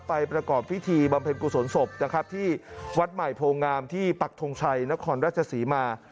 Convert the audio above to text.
ประกอบพิธีบำเพ็ญกุศลศพนะครับที่วัดใหม่โพงามที่ปักทงชัยนครราชศรีมา